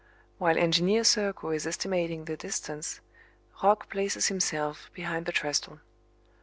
While Engineer Serko is estimating the distance, Roch places himself behind the trestle.